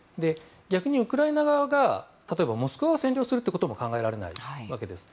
逆にウクライナ側が例えばモスクワを占領することも考えられないわけです。